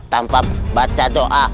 tanpa baca doa